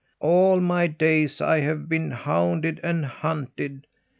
All my days I have been hounded and hunted.